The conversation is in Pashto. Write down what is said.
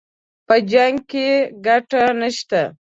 په جـنګ كښې ګټه نشته